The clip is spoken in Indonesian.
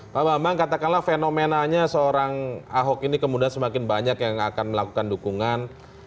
pak bambang katakanlah fenomenanya seorang ahok ini kemudian semakin banyak yang akan melakukan dukungan